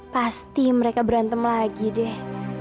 pasti mereka berantem lagi deh